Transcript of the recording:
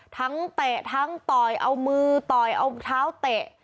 เตะทั้งต่อยเอามือต่อยเอาเท้าเตะ